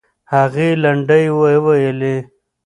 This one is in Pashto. هغې لنډۍ وویلې.